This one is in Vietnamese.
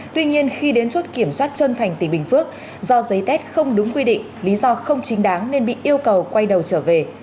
tuy nhiên khi đến chốt kiểm soát chân thành tỉnh bình phước do giấy tét không đúng quy định lý do không chính đáng nên bị yêu cầu quay đầu trở về